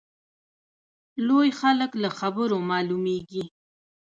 لوی خلک له خبرو معلومیږي.